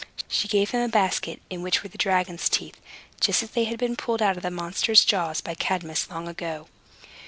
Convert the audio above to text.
She gave him a basket, in which were the dragon's teeth, just as they had been pulled out of the monster's jaws by Cadmus, long ago.